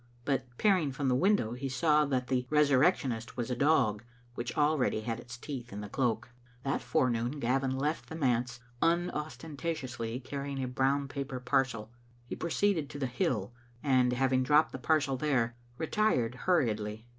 But peering from the Digitized by VjOOQ IC XCbc Tmoman Con0f^ere^ in Sbeence* 9t window, he saw that the resurrectionist was a dog, which already had its teeth in the cloak. That forenoon Gavin left the manse unostentatiously carrying a brown paper parcel. He proceeded to the hill, and having dropped the parcel there, retired hur riedly.